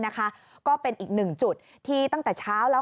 ก็เป็นอีกหนึ่งจุดที่ตั้งแต่เช้าแล้ว